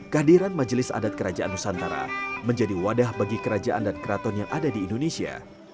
kehadiran majelis adat kerajaan nusantara menjadi wadah bagi kerajaan dan keraton yang ada di indonesia